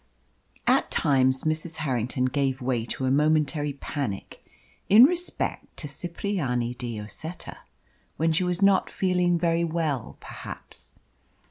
At times Mrs. Harrington gave way to a momentary panic in respect to Cipriani de Lloseta when she was not feeling very well, perhaps.